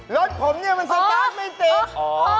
รถผมเนี่ยมันสตาร์ทไม่ติด